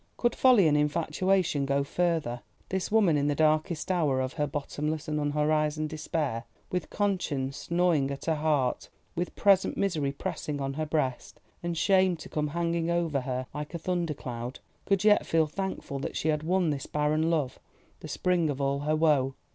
Could folly and infatuation go further? This woman in the darkest hour of her bottomless and unhorizoned despair, with conscience gnawing at her heart, with present misery pressing on her breast, and shame to come hanging over her like a thunder cloud, could yet feel thankful that she had won this barren love, the spring of all her woe.